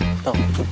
dan dimata whoa